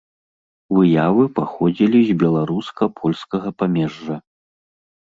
Выявы паходзілі з беларуска-польскага памежжа.